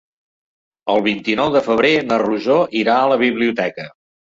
El vint-i-nou de febrer na Rosó irà a la biblioteca.